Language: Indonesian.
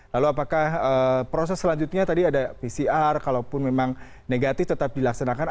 lalu apakah proses selanjutnya tadi ada pcr kalaupun memang negatif tetap dilaksanakan